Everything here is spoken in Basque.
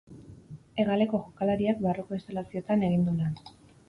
Hegaleko jokalariak barruko instalazioetan egin du lan.